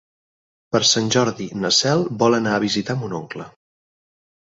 Per Sant Jordi na Cel vol anar a visitar mon oncle.